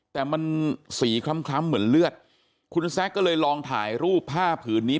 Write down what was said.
แต่มันสีคล้ำเหมือนเลือดคุณแซคก็เลยลองถ่ายรูปผ้าผืนนี้